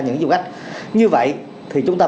những cái du lịch như vậy thì chúng ta